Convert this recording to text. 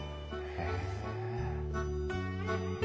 へえ。